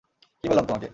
কী বললাম তোমাকে।